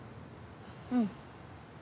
うん。